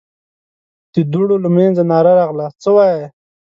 د دوړو له مينځه ناره راغله: څه وايې؟